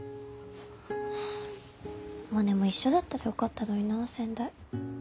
モネも一緒だったらよかったのになぁ仙台。